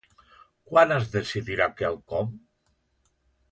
Quan es decidirà quelcom?